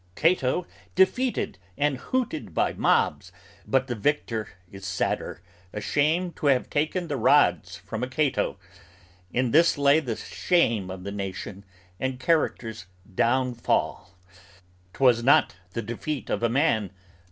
Cato defeated and hooted by mobs, but the victor Is sadder, ashamed to have taken the rods from a Cato: In this lay the shame of the nation and character's downfall, 'Twas not the defeat of a man!